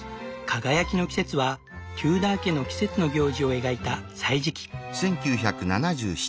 「輝きの季節」はテューダー家の季節の行事を描いた歳時記。